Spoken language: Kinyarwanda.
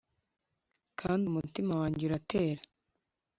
kandi umutima wanjye uratera